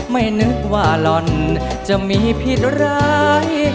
ไม่นึกว่าหล่อนจะมีผิดร้าย